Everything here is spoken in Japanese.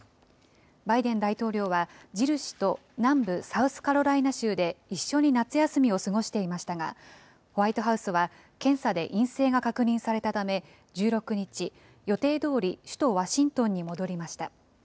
バイデン大統領は、ジル氏と南部サウスカロライナ州で、一緒に夏休みを過ごしていましたが、ホワイトハウスは検査で陰性が確認されたため、１６日、予定どおり、首都ワシントンに戻りました。